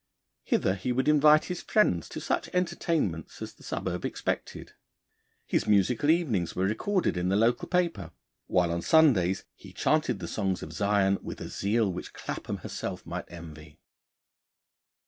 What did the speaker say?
Hither he would invite his friends to such entertainments as the suburb expected. His musical evenings were recorded in the local paper, while on Sundays he chanted the songs of Zion with a zeal which Clapham herself might envy.